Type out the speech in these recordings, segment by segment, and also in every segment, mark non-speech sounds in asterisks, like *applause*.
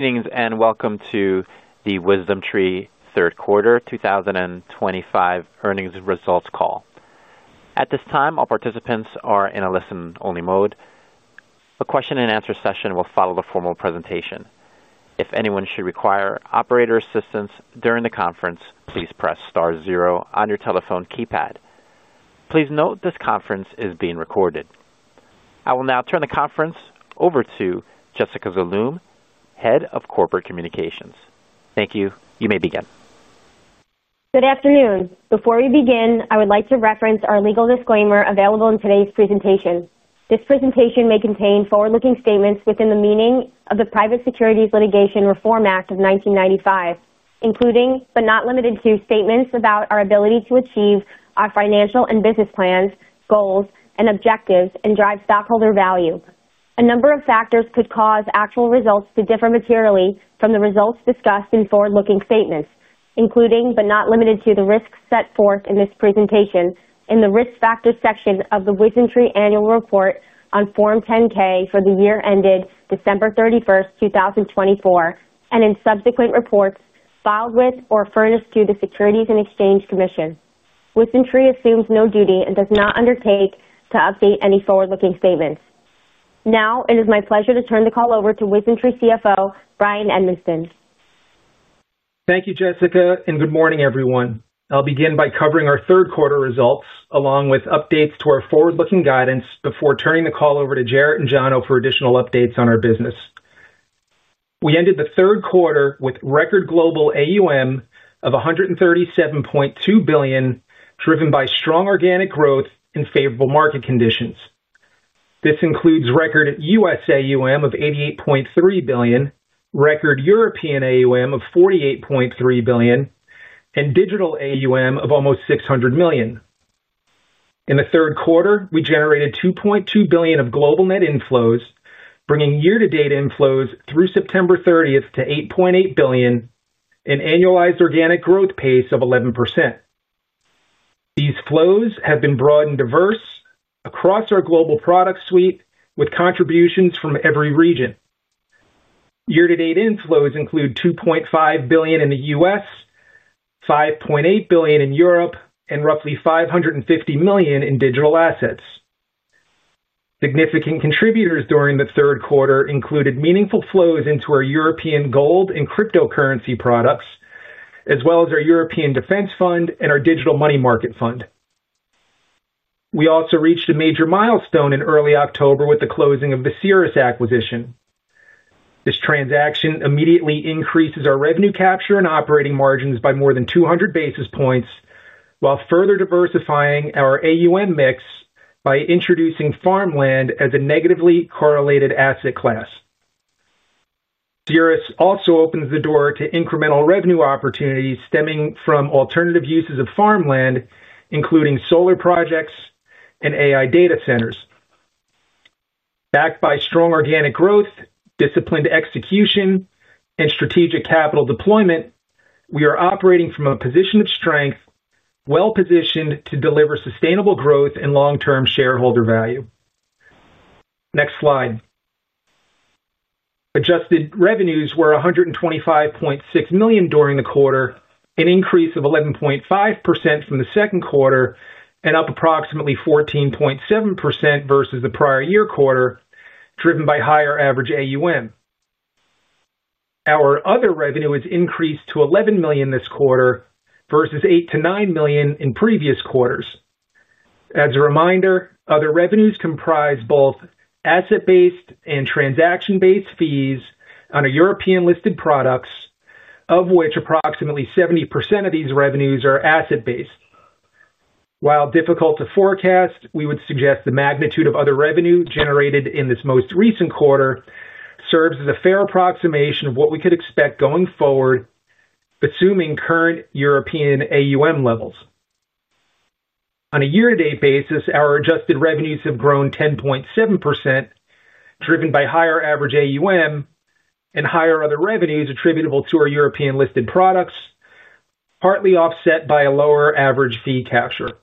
Good evening and welcome to the WisdomTree Third Quarter 2025 Earnings Results Call. At this time, all participants are in a listen-only mode. A question-and-answer session will follow the formal presentation. If anyone should require operator assistance during the conference, please press star zero on your telephone keypad. Please note this conference is being recorded. I will now turn the conference over to Jessica Zaloom, Head of Corporate Communications. Thank you. You may begin. Good afternoon. Before we begin, I would like to reference our legal disclaimer available in today's presentation. This presentation may contain forward-looking statements within the meaning of the Private Securities Litigation Reform Act of 1995, including, but not limited to, statements about our ability to achieve our financial and business plans, goals, and objectives, and drive stockholder value. A number of factors could cause actual results to differ materially from the results discussed in forward-looking statements, including, but not limited to, the risks set forth in this presentation in the risk factor section of the WisdomTree Annual Report on Form 10-K for the year ended December 31st, 2024, and in subsequent reports filed with or furnished to the Securities and Exchange Commission. WisdomTree assumes no duty and does not undertake to update any forward-looking statements. Now, it is my pleasure to turn the call over to WisdomTree CFO, Bryan Edmiston. Thank you, Jessica, and good morning, everyone. I'll begin by covering our third quarter results along with updates to our forward-looking guidance before turning the call over to Jarrett and Jono for additional updates on our business. We ended the third quarter with record global AUM of $137.2 billion, driven by strong organic growth and favorable market conditions. This includes record U.S. AUM of $88.3 billion, record European AUM of $48.3 billion, and digital AUM of almost $600 million. In the third quarter, we generated $2.2 billion of global net inflows, bringing year-to-date inflows through September 30th to $8.8 billion and annualized organic growth pace of 11%. These flows have been broad and diverse across our global product suite, with contributions from every region. Year-to-date inflows include $2.5 billion in the U.S., $5.8 billion in Europe, and roughly $550 million in digital assets. Significant contributors during the third quarter included meaningful flows into our European gold and cryptocurrency products, as well as our European Defense Fund and our Digital Money Market Fund. We also reached a major milestone in early October with the closing of the Ceres acquisition. This transaction immediately increases our revenue capture and operating margins by more than 200 basis points, while further diversifying our AUM mix by introducing farmland as a negatively correlated asset class. Ceres also opens the door to incremental revenue opportunities stemming from alternative uses of farmland, including solar projects and AI data centers. Backed by strong organic growth, disciplined execution, and strategic capital deployment, we are operating from a position of strength, well-positioned to deliver sustainable growth and long-term shareholder value. Next slide. Adjusted revenues were $125.6 million during the quarter, an increase of 11.5% from the second quarter and up approximately 14.7% versus the prior year quarter, driven by higher average AUM. Our other revenue has increased to $11 million this quarter versus $8 million-$9 million in previous quarters. As a reminder, other revenues comprise both asset-based and transaction-based fees on European-listed products, of which approximately 70% of these revenues are asset-based. While difficult to forecast, we would suggest the magnitude of other revenue generated in this most recent quarter serves as a fair approximation of what we could expect going forward, assuming current European AUM levels. On a year-to-date basis, our adjusted revenues have grown 10.7%. Driven by higher average AUM and higher other revenues attributable to our European-listed products, partly offset by a lower average fee capture.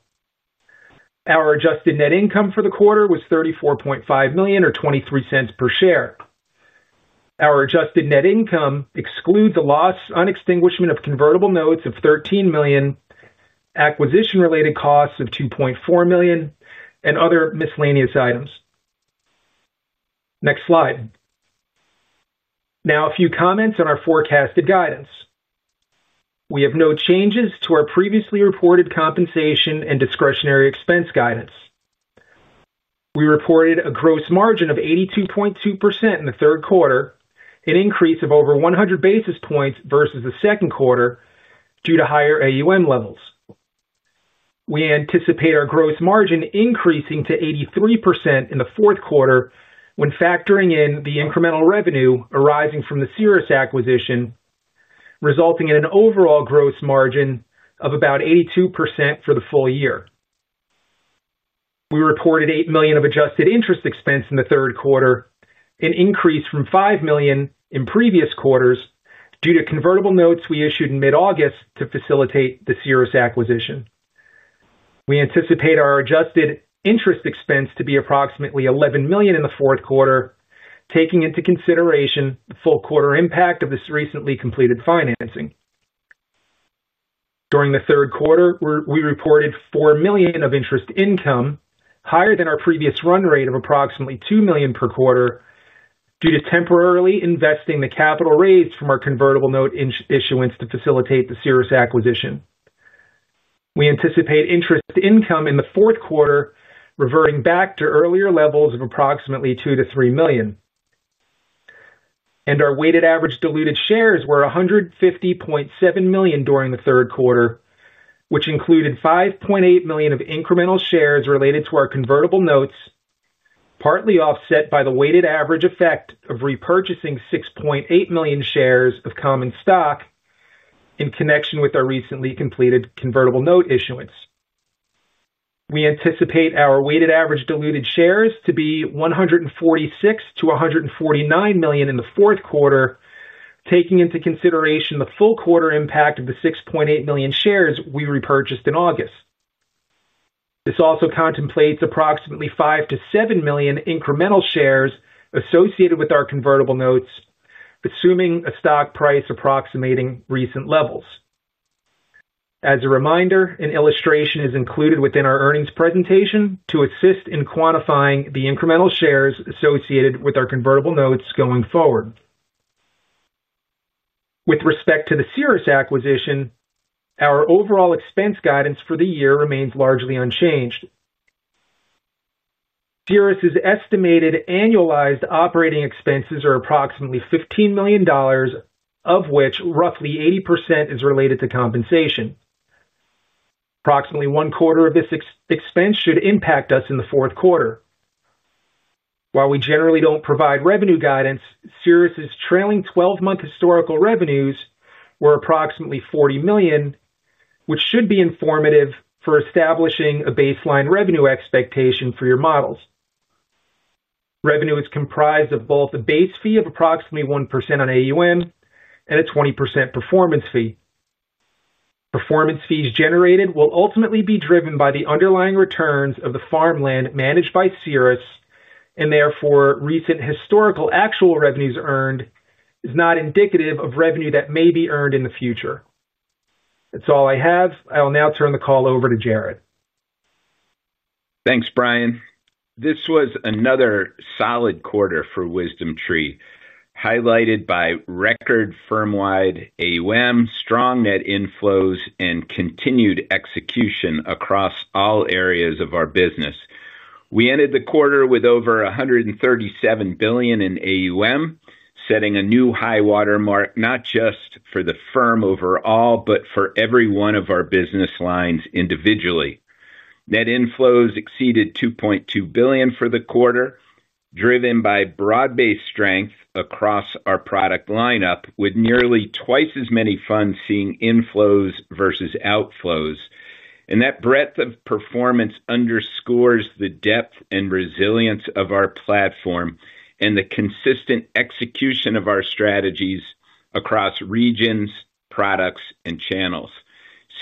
Our adjusted net income for the quarter was $34.5 million, or $0.23 per share. Our adjusted net income excludes a loss on extinguishment of convertible notes of $13 million, acquisition-related costs of $2.4 million, and other miscellaneous items. Next slide. Now, a few comments on our forecasted guidance. We have no changes to our previously reported compensation and discretionary expense guidance. We reported a gross margin of 82.2% in the third quarter, an increase of over 100 basis points versus the second quarter due to higher AUM levels. We anticipate our gross margin increasing to 83% in the fourth quarter when factoring in the incremental revenue arising from the Ceres acquisition, resulting in an overall gross margin of about 82% for the full year. We reported $8 million of adjusted interest expense in the third quarter, an increase from $5 million in previous quarters due to convertible notes we issued in mid-August to facilitate the Ceres acquisition. We anticipate our adjusted interest expense to be approximately $11 million in the fourth quarter, taking into consideration the full quarter impact of this recently completed financing. During the third quarter, we reported $4 million of interest income, higher than our previous run rate of approximately $2 million per quarter due to temporarily investing the capital raised from our convertible note issuance to facilitate the Ceres acquisition. We anticipate interest income in the fourth quarter reverting back to earlier levels of approximately $2 million-$3 million. Our weighted average diluted shares were 150.7 million during the third quarter, which included 5.8 million of incremental shares related to our convertible notes, partly offset by the weighted average effect of repurchasing 6.8 million shares of common stock in connection with our recently completed convertible note issuance. We anticipate our weighted average diluted shares to be 146 million-149 million in the fourth quarter, taking into consideration the full quarter impact of the 6.8 million shares we repurchased in August. This also contemplates approximately 5 million-7 million incremental shares associated with our convertible notes, assuming a stock price approximating recent levels. As a reminder, an illustration is included within our earnings presentation to assist in quantifying the incremental shares associated with our convertible notes going forward. With respect to the Ceres acquisition, our overall expense guidance for the year remains largely unchanged. Ceres' estimated annualized operating expenses are approximately $15 million, of which roughly 80% is related to compensation. Approximately one quarter of this expense should impact us in the fourth quarter. While we generally don't provide revenue guidance, Ceres' trailing 12-month historical revenues were approximately $40 million, which should be informative for establishing a baseline revenue expectation for your models. Revenue is comprised of both a base fee of approximately 1% on AUM and a 20% performance fee. Performance fees generated will ultimately be driven by the underlying returns of the farmland managed by Ceres, and therefore recent historical actual revenues earned is not indicative of revenue that may be earned in the future. That's all I have. I'll now turn the call over to Jarrett. Thanks, Bryan. This was another solid quarter for WisdomTree, highlighted by record firm-wide AUM, strong net inflows, and continued execution across all areas of our business. We ended the quarter with over $137 billion in AUM, setting a new high watermark not just for the firm overall, but for every one of our business lines individually. Net inflows exceeded $2.2 billion for the quarter, driven by broad-based strength across our product lineup, with nearly twice as many funds seeing inflows versus outflows. That breadth of performance underscores the depth and resilience of our platform and the consistent execution of our strategies across regions, products, and channels.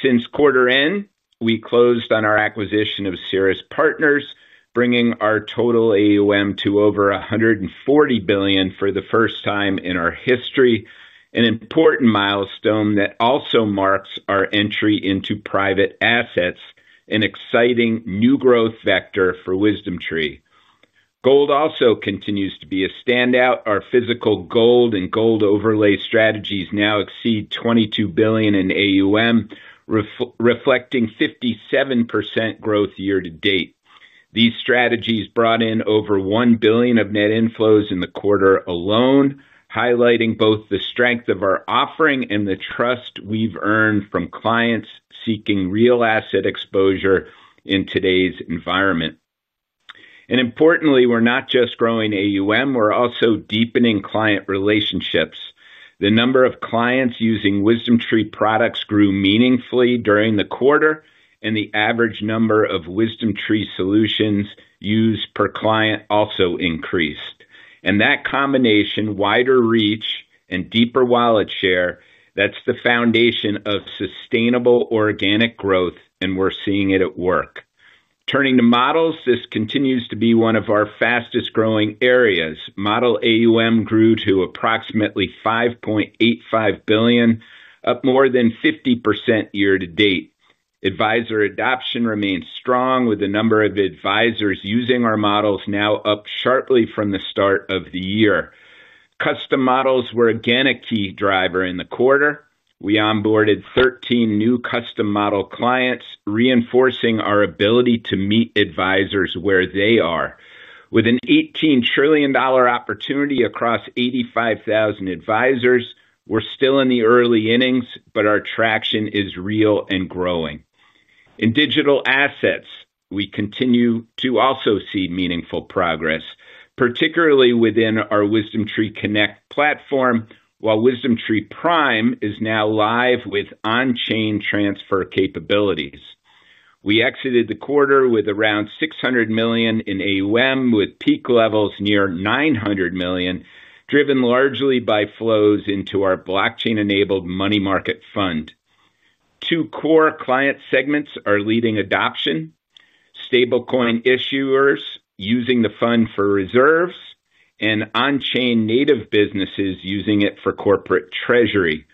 Since quarter end, we closed on our acquisition of Ceres Partners, bringing our total AUM to over $140 billion for the first time in our history, an important milestone that also marks our entry into private assets, an exciting new growth vector for WisdomTree. Gold also continues to be a standout. Our physical gold and gold overlay strategies now exceed $22 billion in AUM, reflecting 57% growth year-to-date. These strategies brought in over $1 billion of net inflows in the quarter alone, highlighting both the strength of our offering and the trust we've earned from clients seeking real asset exposure in today's environment. Importantly, we're not just growing AUM; we're also deepening client relationships. The number of clients using WisdomTree products grew meaningfully during the quarter, and the average number of WisdomTree solutions used per client also increased. That combination, wider reach, and deeper wallet share, that's the foundation of sustainable organic growth, and we're seeing it at work. Turning to models, this continues to be one of our fastest-growing areas. Model AUM grew to approximately $5.85 billion, up more than 50% year-to-date. Advisor adoption remains strong, with the number of advisors using our models now up sharply from the start of the year. Custom models were again a key driver in the quarter. We onboarded 13 new custom model clients, reinforcing our ability to meet advisors where they are. With an $18 trillion opportunity across 85,000 advisors, we're still in the early innings, but our traction is real and growing. In digital assets, we continue to also see meaningful progress, particularly within our WisdomTree Connect platform, while WisdomTree Prime is now live with on-chain transfer capabilities. We exited the quarter with around $600 million in AUM, with peak levels near $900 million, driven largely by flows into our blockchain-enabled money market fund. Two core client segments are leading adoption: stablecoin issuers using the fund for reserves and on-chain native businesses using it for corporate treasury.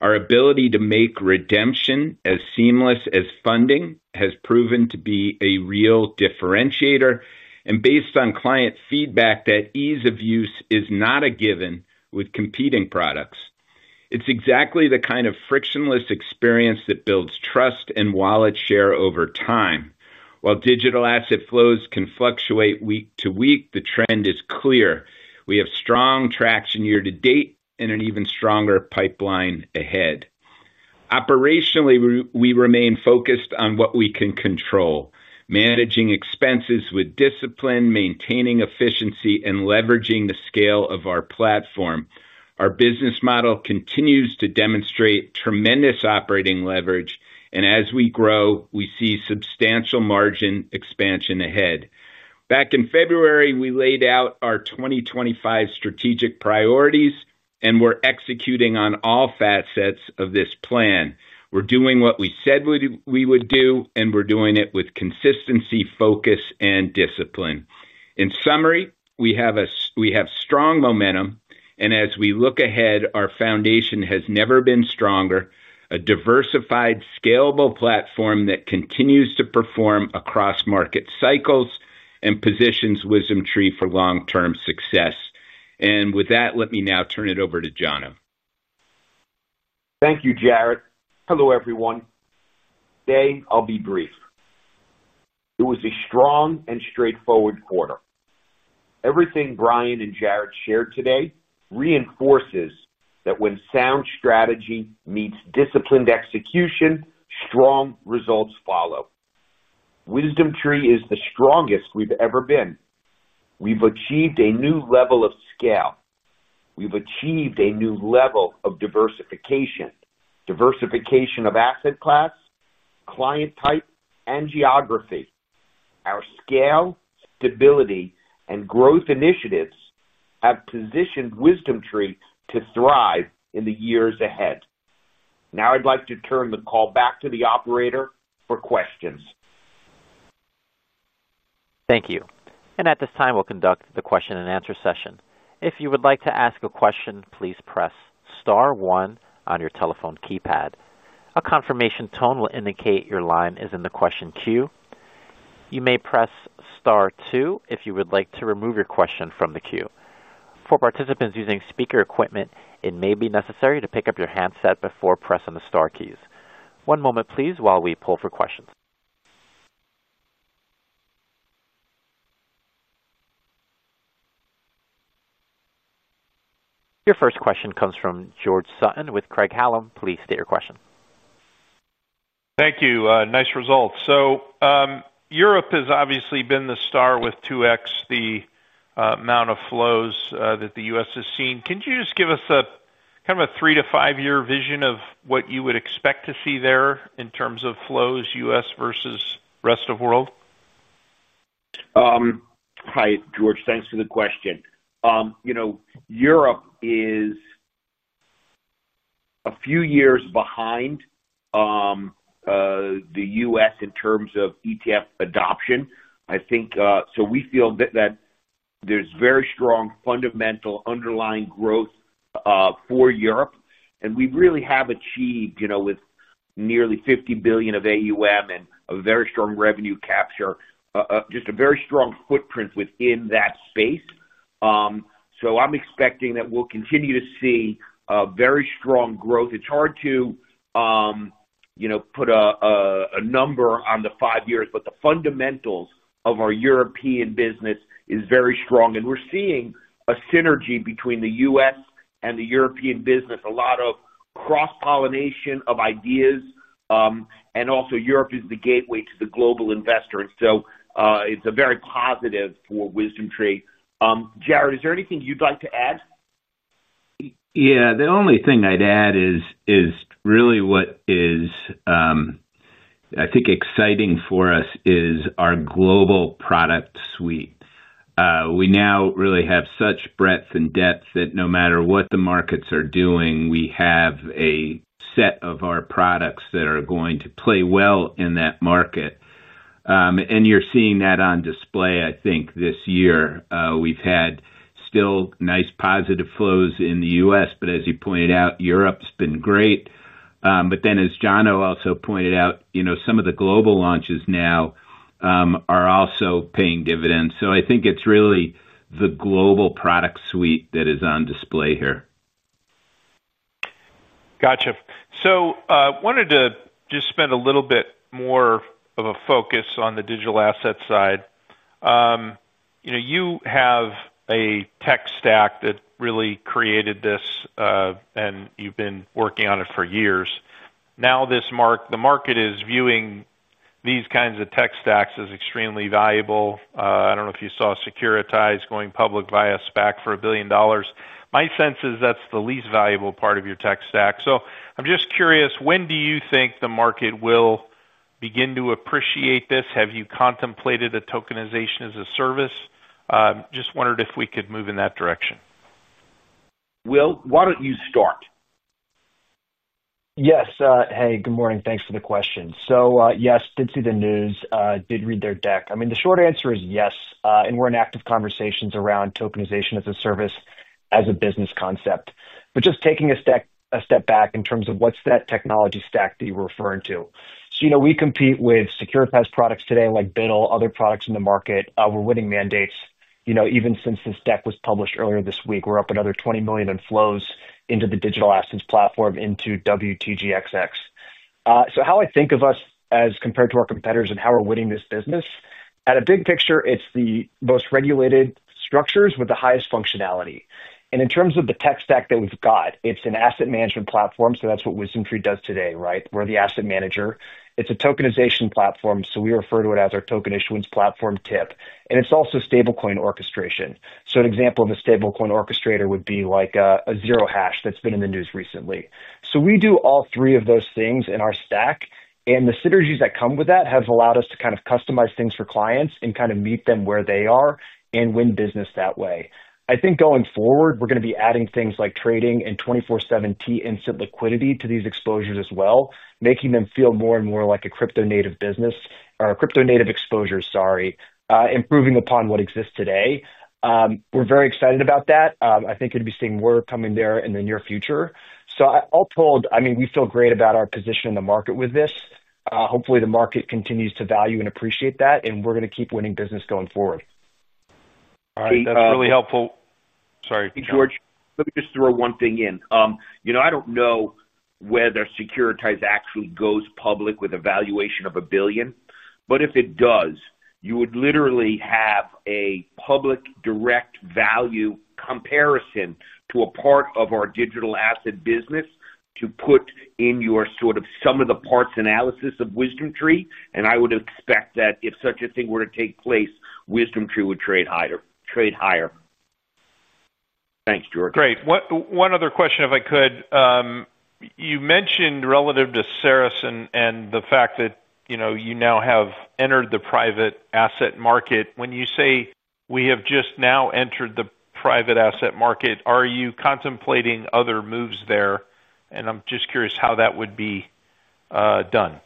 Our ability to make redemption as seamless as funding has proven to be a real differentiator, and based on client feedback, that ease of use is not a given with competing products. It is exactly the kind of frictionless experience that builds trust and wallet share over time. While digital asset flows can fluctuate week to week, the trend is clear. We have strong traction year-to-date and an even stronger pipeline ahead. Operationally, we remain focused on what we can control, managing expenses with discipline, maintaining efficiency, and leveraging the scale of our platform. Our business model continues to demonstrate tremendous operating leverage, and as we grow, we see substantial margin expansion ahead. Back in February, we laid out our 2025 strategic priorities, and we are executing on all facets of this plan. We are doing what we said we would do, and we are doing it with consistency, focus, and discipline. In summary, we have strong momentum, and as we look ahead, our foundation has never been stronger: a diversified, scalable platform that continues to perform across market cycles and positions WisdomTree for long-term success. With that, let me now turn it over to Jono. Thank you, Jarrett. Hello, everyone. Today, I'll be brief. It was a strong and straightforward quarter. Everything Bryan and Jarrett shared today reinforces that when sound strategy meets disciplined execution, strong results follow. WisdomTree is the strongest we've ever been. We've achieved a new level of scale. We've achieved a new level of diversification: diversification of asset class, client type, and geography. Our scale, stability, and growth initiatives have positioned WisdomTree to thrive in the years ahead. Now, I'd like to turn the call back to the operator for questions. Thank you. At this time, we'll conduct the question-and-answer session. If you would like to ask a question, please press star one on your telephone keypad. A confirmation tone will indicate your line is in the question queue. You may press star two if you would like to remove your question from the queue. For participants using speaker equipment, it may be necessary to pick up your handset before pressing the star keys. One moment, please, while we pull for questions. Your first question comes from George Sutton with Craig-Hallum. Please state your question. Thank you. Nice results. Europe has obviously been the star with 2x the amount of flows that the U.S. has seen. Can you just give us a kind of a three-to-five-year vision of what you would expect to see there in terms of flows, U.S. versus rest of the world? Hi, George. Thanks for the question. Europe is a few years behind the U.S. in terms of ETF adoption. I think we feel that there's very strong fundamental underlying growth for Europe, and we really have achieved, with nearly $50 billion of AUM and a very strong revenue capture, just a very strong footprint within that space. I'm expecting that we'll continue to see very strong growth. It's hard to put a number on the five years, but the fundamentals of our European business are very strong. We're seeing a synergy between the U.S. and the European business, a lot of cross-pollination of ideas. Europe is the gateway to the global investor, and it's very positive for WisdomTree. Jarrett, is there anything you'd like to add? Yeah. The only thing I'd add is really what is I think exciting for us is our global product suite. We now really have such breadth and depth that no matter what the markets are doing, we have a set of our products that are going to play well in that market. You're seeing that on display, I think, this year. We've had still nice positive flows in the U.S., but as you pointed out, Europe's been great. As Jono also pointed out, some of the global launches now are also paying dividends. I think it's really the global product suite that is on display here. Gotcha. I wanted to just spend a little bit more of a focus on the digital asset side. You have a tech stack that really created this, and you've been working on it for years. Now, the market is viewing these kinds of tech stacks as extremely valuable. I don't know if you saw Securitize going public via SPAC for $1 billion. My sense is that's the least valuable part of your tech stack. I'm just curious, when do you think the market will begin to appreciate this? Have you contemplated a tokenization as a service? Just wondered if we could move in that direction. Will, why don't you start? Yes. Hey, good morning. Thanks for the question. Yes, did see the news, did read their deck. I mean, the short answer is yes. We're in active conversations around tokenization as a service, as a business concept. Just taking a step back in terms of what's that technology stack that you were referring to, we compete with Securitize products today like BUIDL, other products in the market. We're winning mandates even since this deck was published earlier this week. We're up another $20 million in flows into the digital assets platform, into WTGXX. How I think of us as compared to our competitors and how we're winning this business, at a big picture, it's the most regulated structures with the highest functionality. In terms of the tech stack that we've got, it's an asset management platform. That's what WisdomTree does today, right? We're the asset manager. It's a tokenization platform. We refer to it as our token issuance platform, TIP. It's also stablecoin orchestration. An example of a stablecoin orchestrator would be like a zerohash that's been in the news recently. We do all three of those things in our stack. The synergies that come with that have allowed us to customize things for clients and meet them where they are and win business that way. I think going forward, we're going to be adding things like trading and 24/7 T-in-cit liquidity to these exposures as well, making them feel more and more like a crypto-native business or a crypto-native exposure, sorry, improving upon what exists today. We're very excited about that. I think you'll be seeing more coming there in the near future. All told, we feel great about our position in the market with this. Hopefully, the market continues to value and appreciate that, and we're going to keep winning business going forward. All right. That's really helpful. Sorry. Hey, George. Let me just throw one thing in. I don't know whether Securitize actually goes public with a valuation of $1 billion. If it does, you would literally have a public direct value comparison to a part of our digital asset business to put in your sort of sum-of-the-parts analysis of WisdomTree. I would expect that if such a thing were to take place, WisdomTree would trade higher. Thanks, George. Great. One other question, if I could. You mentioned relative to Ceres and the fact that you now have entered the private asset market. When you say we have just now entered the private asset market, are you contemplating other moves there? I'm just curious how that would be done.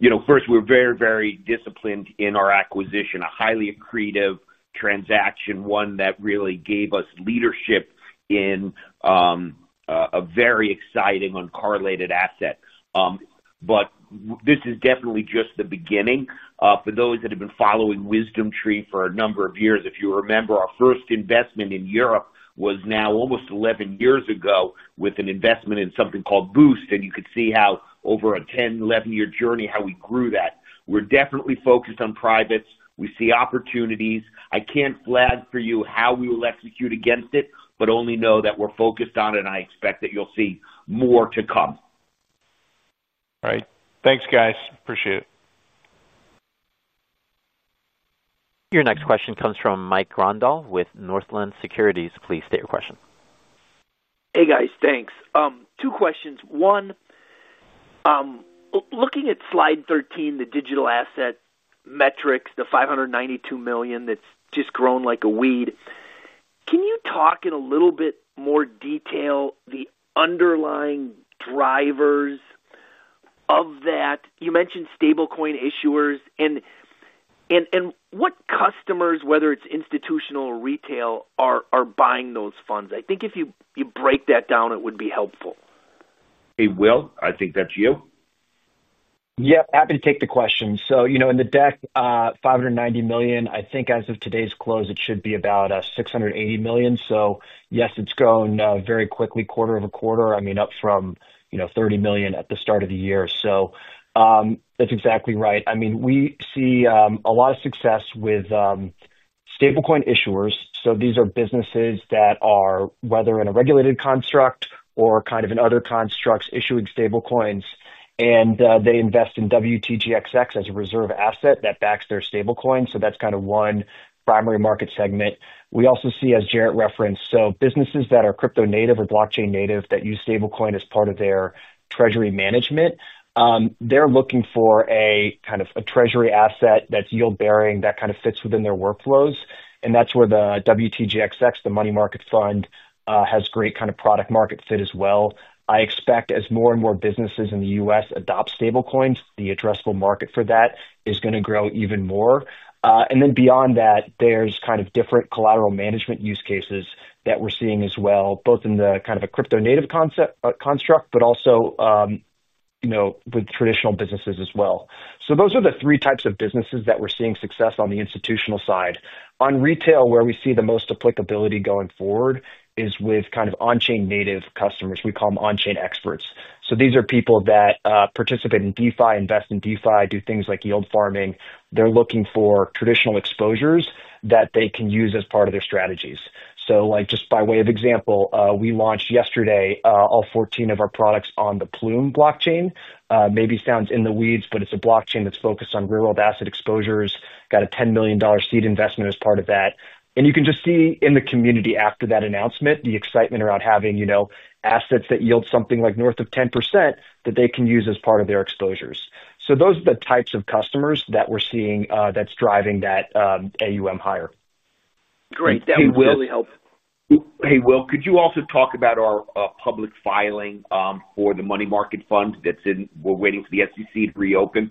We're very, very disciplined in our acquisition, a highly accretive transaction, one that really gave us leadership in a very exciting uncorrelated asset. This is definitely just the beginning. For those that have been following WisdomTree for a number of years, if you remember, our first investment in Europe was now almost 11 years ago with an investment in something called BOOST. You could see how over a 10, 11-year journey, how we grew that. We're definitely focused on privates. We see opportunities. I can't flag for you how we will execute against it, but only know that we're focused on it, and I expect that you'll see more to come. All right. Thanks, guys. Appreciate it. Your next question comes from Mike Grondahl with Northland Securities. Please state your question. Hey, guys. Thanks. Two questions. One. Looking at slide 13, the digital asset metrics, the $592 million that's just grown like a weed, can you talk in a little bit more detail the underlying drivers of that? You mentioned stablecoin issuers. What customers, whether it's institutional or retail, are buying those funds? I think if you break that down, it would be helpful. Hey, Will, I think that's you. Yeah. Happy to take the question. In the deck, $590 million, I think as of today's close, it should be about $680 million. Yes, it's grown very quickly, quarter-over-quarter, up from $30 million at the start of the year. That's exactly right. We see a lot of success with stablecoin issuers. These are businesses that are, whether in a regulated construct or kind of in other constructs, issuing stablecoins. They invest in WTGXX as a reserve asset that backs their stablecoin. That's one primary market segment. We also see, as Jarrett referenced, businesses that are crypto-native or blockchain-native that use stablecoin as part of their treasury management. They're looking for a kind of a treasury asset that's yield-bearing, that fits within their workflows. That's where the WTGXX, the money market fund, has great product-market fit as well. I expect as more and more businesses in the U.S. adopt stablecoins, the addressable market for that is going to grow even more. Beyond that, there are different collateral management use cases that we're seeing as well, both in a crypto-native construct, but also with traditional businesses as well. Those are the three types of businesses that we're seeing success on the institutional side. On retail, where we see the most applicability going forward is with on-chain-native customers. We call them on-chain experts. These are people that participate in DeFi, invest in DeFi, do things like yield farming. They're looking for traditional exposures that they can use as part of their strategies. Just by way of example, we launched yesterday all 14 of our products on the Plume blockchain. Maybe sounds in the weeds, but it's a blockchain that's focused on real-world asset exposures. Got a $10 million seed investment as part of that. You can just see in the community after that announcement, the excitement around having assets that yield something like north of 10% that they can use as part of their exposures. Those are the types of customers that we're seeing that's driving that AUM higher. Great. That was really helpful. Hey, Will, could you also talk about our public filing for the Money Market Fund that's in? We're waiting for the SEC to reopen.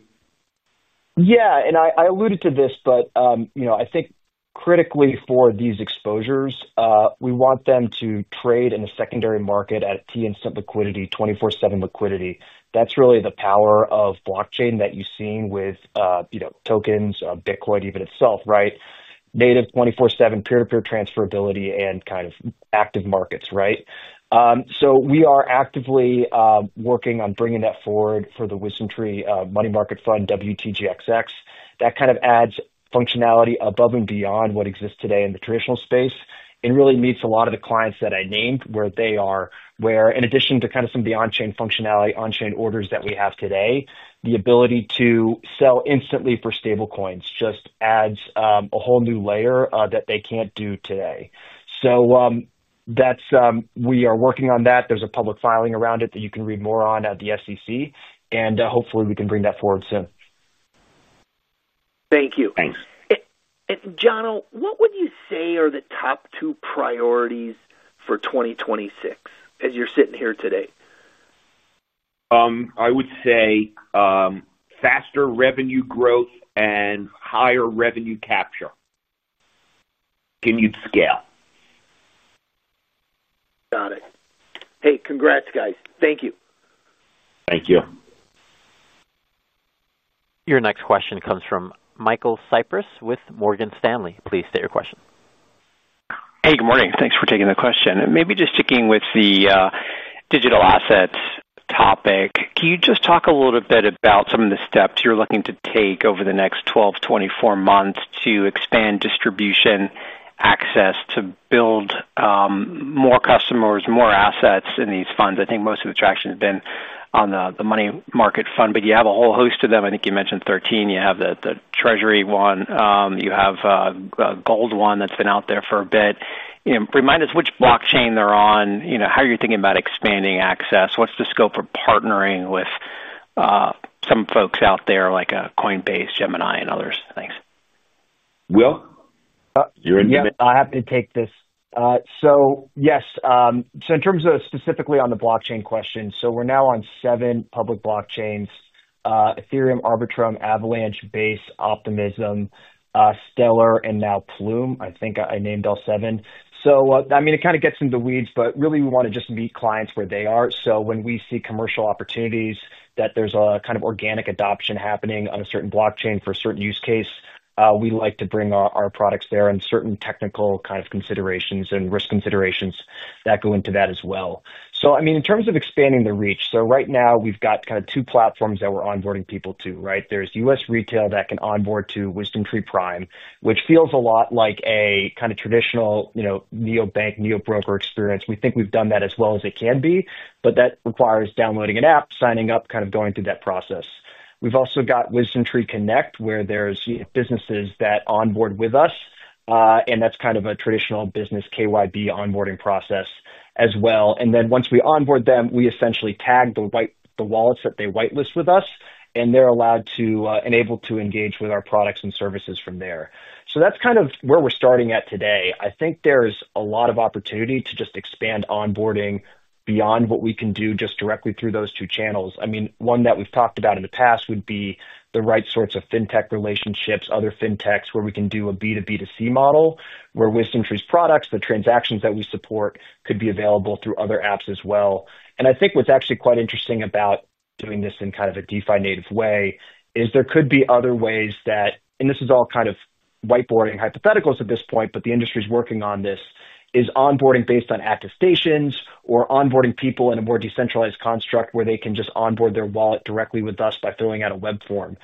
Yeah. I alluded to this, but I think critically for these exposures, we want them to trade in a secondary market at T-in-cit liquidity, 24/7 liquidity. That's really the power of blockchain that you've seen with tokens, Bitcoin even itself, right? Native 24/7 peer-to-peer transferability and kind of active markets, right? We are actively working on bringing that forward for the WisdomTree Money Market Fund, WTGXX. That kind of adds functionality above and beyond what exists today in the traditional space and really meets a lot of the clients that I named where they are, where in addition to kind of some of the on-chain functionality, on-chain orders that we have today, the ability to sell instantly for stablecoins just adds a whole new layer that they can't do today. We are working on that. There's a public filing around it that you can read more on at the SEC. Hopefully, we can bring that forward soon. Thank you. Thanks. Jono, what would you say are the top two priorities for 2026 as you're sitting here today? I would say faster revenue growth and higher revenue capture, continued scale. Got it. Hey, congrats, guys. Thank you. Thank you. Your next question comes from Michael Cyprys with Morgan Stanley. Please state your question. Hey, good morning. Thanks for taking the question. Maybe just sticking with the digital assets topic, can you just talk a little bit about some of the steps you're looking to take over the next 12 to 24 months to expand distribution access to build more customers, more assets in these funds? I think most of the traction has been on the money market fund, but you have a whole host of them. I think you mentioned 13. You have the treasury one. You have a gold one that's been out there for a bit. Remind us which blockchain they're on. How are you thinking about expanding access? What's the scope for partnering with some folks out there like Coinbase, Gemini, and others? Thanks. Will, you're in. Yes. In terms of specifically on the blockchain question, we're now on seven public blockchains: Ethereum, Arbitrum, Avalanche, Base, Optimism, Stellar, and now Plume. I think I named all seven. It kind of gets in the weeds, but really, we want to just meet clients where they are. When we see commercial opportunities, that there's a kind of organic adoption happening on a certain blockchain for a certain use case, we like to bring our products there and certain technical considerations and risk considerations go into that as well. In terms of expanding the reach, right now, we've got kind of two platforms that we're onboarding people to, right? There's U.S. retail that can onboard to WisdomTree Prime, which feels a lot like a kind of traditional neobank, neobroker experience. We think we've done that as well as it can be, but that requires downloading an app, signing up, kind of going through that process. We've also got WisdomTree Connect, where there are businesses that onboard with us. That's kind of a traditional business KYB onboarding process as well. Once we onboard them, we essentially tag the wallets that they whitelist with us, and they're allowed to engage with our products and services from there. That's kind of where we're starting at today. I think there's a lot of opportunity to expand onboarding beyond what we can do just directly through those two channels. One that we've talked about in the past would be the right sorts of fintech relationships, other fintechs where we can do a B2B2C model where WisdomTree's products, the transactions that we support, could be available through other apps as well. What's actually quite interesting about doing this in kind of a DeFi-native way is there could be other ways that, and this is all kind of whiteboarding hypotheticals at this point, but the industry is working on this, is onboarding based on attestations or onboarding people in a more decentralized construct where they can just onboard their wallet directly with us by filling out a web form.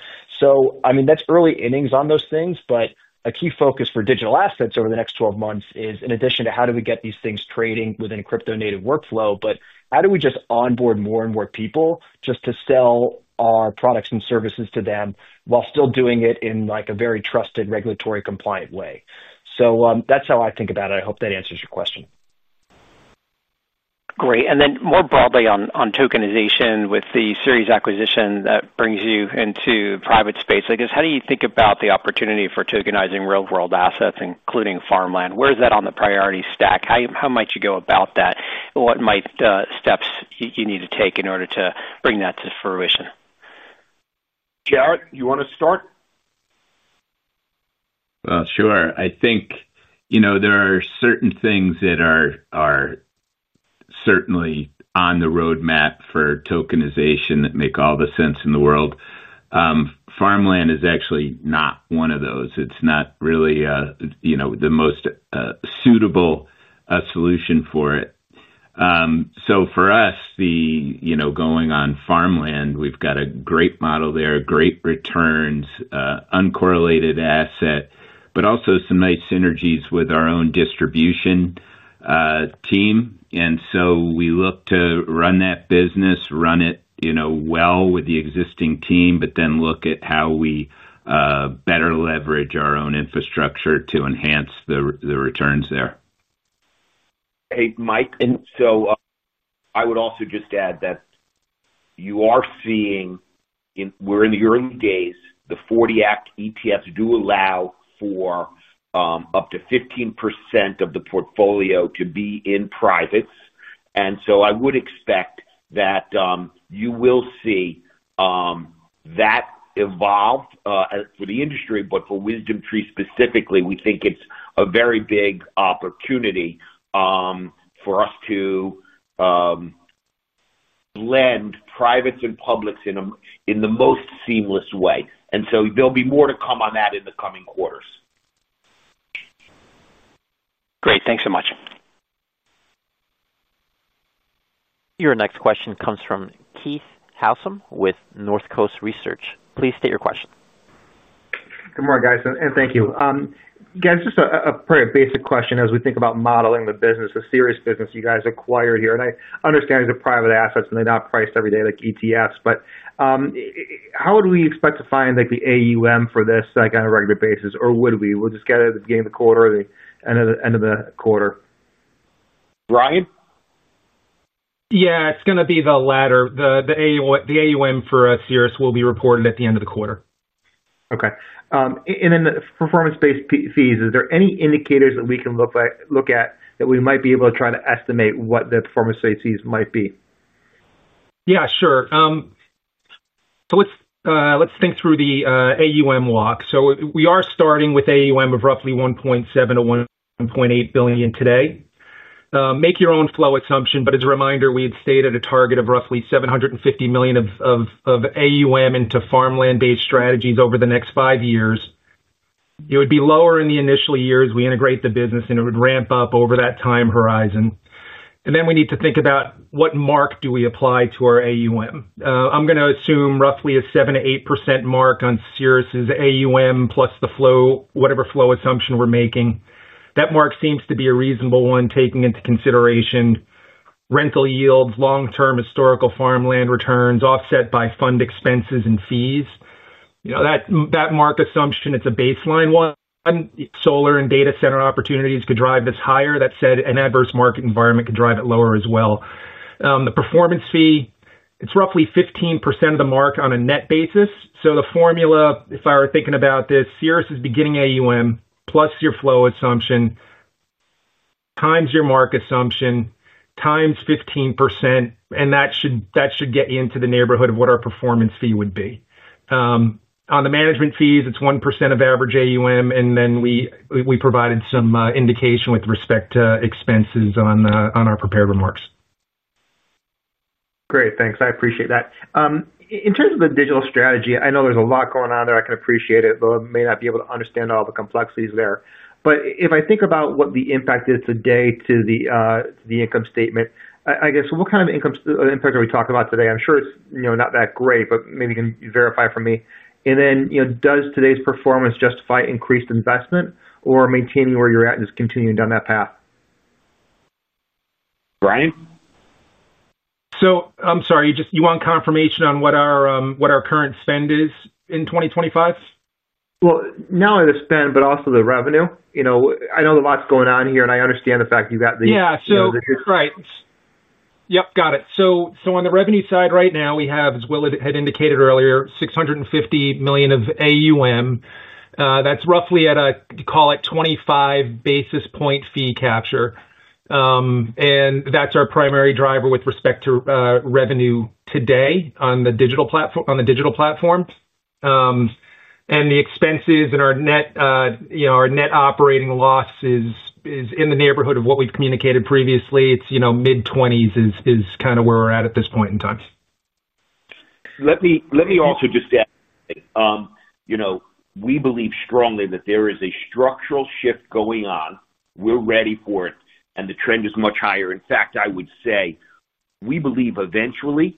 That's early innings on those things, but a key focus for digital assets over the next 12 months is, in addition to how do we get these things trading within a crypto-native workflow, how do we just onboard more and more people just to sell our products and services to them while still doing it in a very trusted, regulatory-compliant way? That's how I think about it. I hope that answers your question. Great. More broadly on tokenization, with the Ceres acquisition that brings you into the private space, I guess, how do you think about the opportunity for tokenizing real-world assets, including farmland? Where is that on the priority stack? How might you go about that? What steps might you need to take in order to bring that to fruition? Jarrett, you want to start? Sure. I think there are certain things that are certainly on the roadmap for tokenization that make all the sense in the world. Farmland is actually not one of those. It's not really the most suitable solution for it. For us, the going on farmland, we've got a great model there, great returns, uncorrelated asset, but also some nice synergies with our own distribution team. We look to run that business, run it well with the existing team, but then look at how we better leverage our own infrastructure to enhance the returns there. Hey, Mike. I would also just add that you are seeing we're in the early days. The 40 Act ETFs do allow for up to 15% of the portfolio to be in privates. I would expect that you will see that evolve for the industry, but for WisdomTree specifically, we think it's a very big opportunity for us to blend privates and publics in the most seamless way. There'll be more to come on that in the coming quarters. Great. Thanks so much. Your next question comes from Keith Housum with Northcoast Research. Please state your question. Good morning, guys. Thank you. Guys, just a very basic question. As we think about modeling the business, the Ceres business you guys acquired here, I understand it's a private asset and they're not priced every day like ETFs. How would we expect to find the AUM for this on a regular basis? Would we just get it at the beginning of the quarter and at the end of the quarter? Bryan? Yeah, it's going to be the latter. The AUM for Ceres will be reported at the end of the quarter. Okay. Performance-based fees, is there any indicators that we can look at that we might be able to try to estimate what the performance-based fees might be? Yeah, sure. Let's think through the AUM walk. We are starting with AUM of roughly $1.7 billion-$1.8 billion today. Make your own flow assumption, but as a reminder, we had stated a target of roughly $750 million of AUM into farmland-based strategies over the next five years. It would be lower in the initial years we integrate the business, and it would ramp up over that time horizon. We need to think about what mark we apply to our AUM. I'm going to assume roughly a 7%-8% mark on Ceres' AUM plus the flow, whatever flow assumption we're making. That mark seems to be a reasonable one taking into consideration rental yields, long-term historical farmland returns offset by fund expenses and fees. That mark assumption is a baseline one. Solar and data center opportunities could drive this higher. That said, an adverse market environment could drive it lower as well. The performance fee is roughly 15% of the mark on a net basis. The formula, if I were thinking about this, is Ceres' beginning AUM plus your flow assumption, times your mark assumption, times 15%, and that should get you into the neighborhood of what our performance fee would be. On the management fees, it's 1% of average AUM, and we provided some indication with respect to expenses on our prepared remarks. Great. Thanks. I appreciate that. In terms of the digital strategy, I know there's a lot going on there. I can appreciate it, though I may not be able to understand all the complexities there. If I think about what the impact is today to the income statement, I guess, what kind of income impact are we talking about today? I'm sure it's not that great, but maybe you can verify for me. Does today's performance justify increased investment or maintaining where you're at and just continuing down that path? Bryan? I'm sorry, you want confirmation on what our current spend is in 2025? Not only the spend, but also the revenue. I know a lot's going on here, and I understand the fact you've got the. Yeah. So. Right. Got it. On the revenue side right now, we have, as Will had indicated earlier, $650 million of AUM. That's roughly at a, call it, 25 basis point fee capture. That's our primary driver with respect to revenue today on the digital platform. The expenses and our net operating loss is in the neighborhood of what we've communicated previously. It's mid-20s is kind of where we're at at this point in time. Let me also just add, we believe strongly that there is a structural shift going on. We're ready for it, and the trend is much higher. In fact, I would say we believe eventually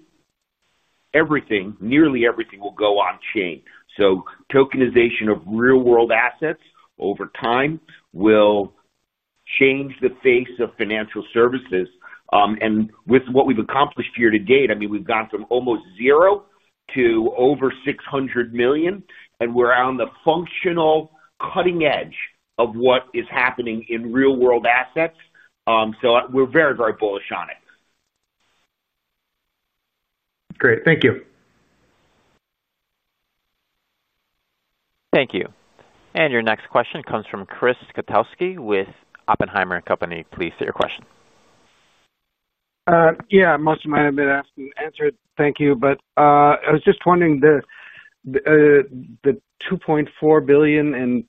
everything, nearly everything, will go on chain. Tokenization of real-world assets over time will change the face of financial services. With what we've accomplished year-to-date, we've gone from almost zero to over $600 million, and we're on the functional cutting edge of what is happening in real-world assets. We're very, very bullish on it. Great. Thank you. Thank you. Your next question comes from Chris Kotowski with Oppenheimer & Co. Please state your question. Yeah, most of mine have been answered, thank you. I was just wondering, the $2.4 billion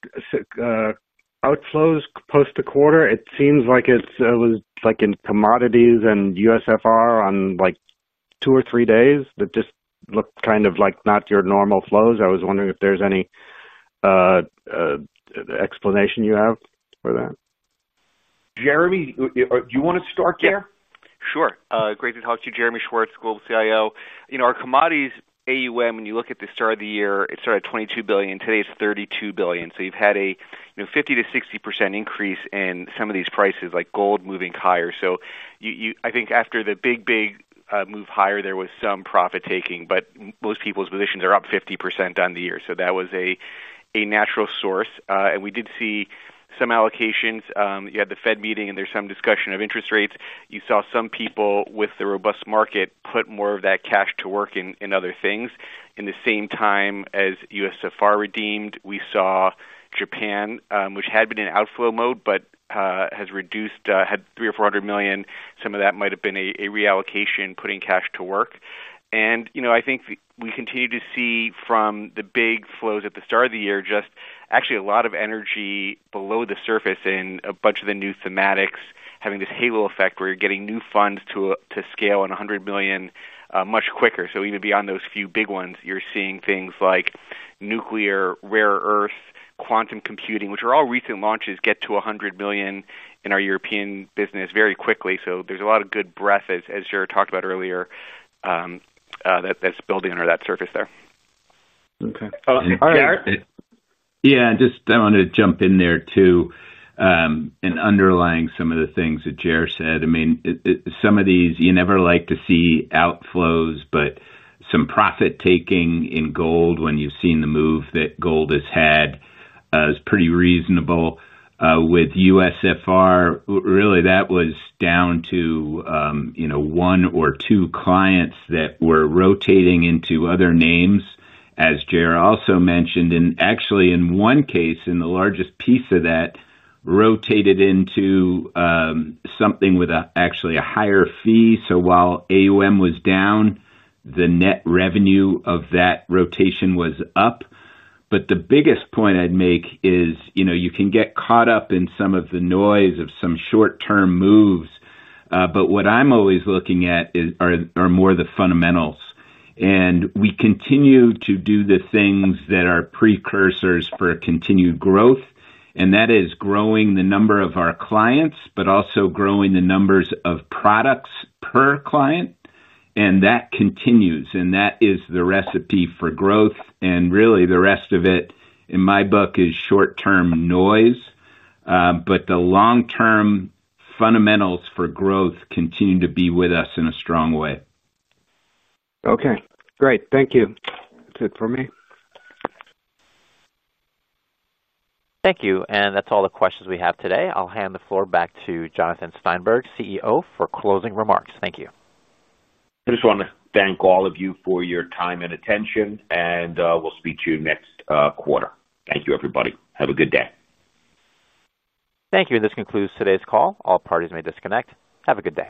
outflows post the quarter, it seems like it was in commodities and USFR on two or three days that just looked kind of like not your normal flows. I was wondering if there's any explanation you have for that. Jeremy, do you want to start there? Yeah. Sure. Great to talk to you. Jeremy Schwartz, Global CIO. Our commodities AUM, when you look at the start of the year, it started at $22 billion. Today, it's $32 billion. You've had a 50%-60% increase in some of these prices, like gold moving higher. I think after the big, big move higher, there was some profit-taking, but most people's positions are up 50% on the year. That was a natural source. We did see some allocations. You had the Fed meeting, and there's some discussion of interest rates. You saw some people with the robust market put more of that cash to work in other things. At the same time as USFR redeemed, we saw Japan, which had been in outflow mode but had $300 million or $400 million. Some of that might have been a reallocation, putting cash to work. I think we continue to see from the big flows at the start of the year just actually a lot of energy below the surface and a bunch of the new thematics having this halo effect where you're getting new funds to scale on $100 million much quicker. Even beyond those few big ones, you're seeing things like nuclear, rare earth, quantum computing, which are all recent launches, get to $100 million in our European business very quickly. There's a lot of good breadth, as Jarrett talked about earlier. That's building under that surface there. *crosstalk* I wanted to jump in there too. Underlying some of the things that Jer said, some of these, you never like to see outflows, but some profit-taking in gold when you've seen the move that gold has had is pretty reasonable. With USFR, really, that was down to one or two clients that were rotating into other names, as Jer also mentioned. In one case, in the largest piece of that, rotated into something with actually a higher fee. While AUM was down, the net revenue of that rotation was up. The biggest point I'd make is you can get caught up in some of the noise of some short-term moves. What I'm always looking at are more the fundamentals. We continue to do the things that are precursors for continued growth. That is growing the number of our clients, but also growing the numbers of products per client. That continues, and that is the recipe for growth. The rest of it, in my book, is short-term noise. The long-term fundamentals for growth continue to be with us in a strong way. Okay. Great. Thank you. That's it for me. Thank you. That's all the questions we have today. I'll hand the floor back to Jonathan Steinberg, CEO, for closing remarks. Thank you. I just want to thank all of you for your time and attention, and we'll speak to you next quarter. Thank you, everybody. Have a good day. Thank you. This concludes today's call. All parties may disconnect. Have a good day.